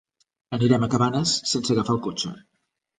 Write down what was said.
Anirem a Cabanes sense agafar el cotxe.